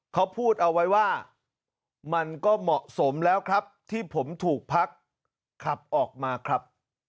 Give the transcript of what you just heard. เขาพูดเอาไว้ว่ามันก็เหมาะสมแล้วครับที่ผมถูกพักขับออกมาครับ